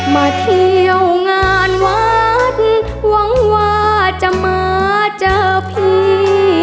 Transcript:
มาเที่ยวงานวัดหวังว่าจะมาเจอพี่